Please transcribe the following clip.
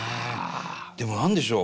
でも何でしょう。